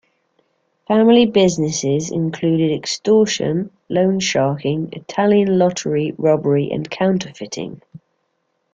Family businesses included extortion, loan sharking, Italian lottery, robbery and counterfeiting.